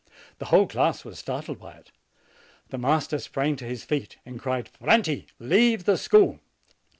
The whole class was startled by it. The master sprang to his feet, and cried: "Franti, leave the school